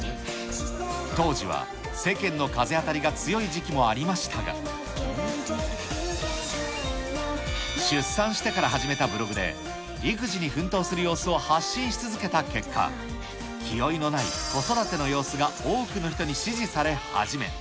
当時は世間の風当たりが強い時期もありましたが、出産してから始めたブログで、育児に奮闘する様子を発信し続けた結果、気負いのない子育ての様子が多くの人に支持され始め。